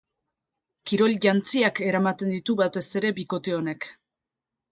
Kirol-jantziak eramaten ditu batez ere bikote honek.